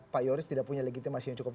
pak yoris tidak punya legitimasi yang cukup